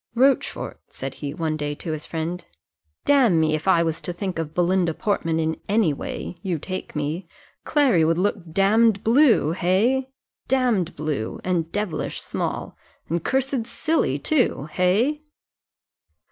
"Rochfort," said he, one day, to his friend, "damme, if I was to think of Belinda Portman in any way you take me Clary would look damned blue hey? damned blue, and devilish small, and cursed silly too hey?"